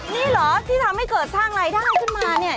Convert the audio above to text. นี่เหรอที่ทำให้เกิดสร้างรายได้ขึ้นมาเนี่ย